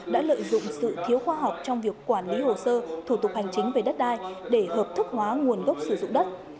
đã lợi dụng sự thiếu khoa học trong việc quản lý hồ sơ thủ tục hành chính về đất đai để hợp thức hóa nguồn gốc sử dụng đất